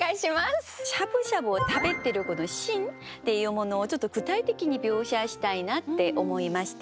しゃぶしゃぶを食べてるシーンっていうものをちょっと具体的に描写したいなって思いました。